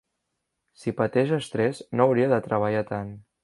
Si pateix estrès no hauria de treballar tant.